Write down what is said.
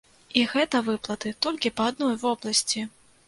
І гэта выплаты толькі па адной вобласці!